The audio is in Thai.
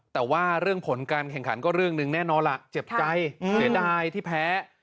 แต่ว่าเรื่องผลการแข่งขันก็เรื่องหนึ่งแน่นอนล่ะเจ็บใจเสียดายที่แพ้